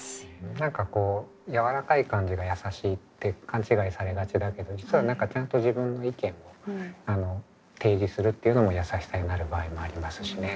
何かこうやわらかい感じがやさしいって勘違いされがちだけど実は何かちゃんと自分の意見を提示するっていうのもやさしさになる場合もありますしね。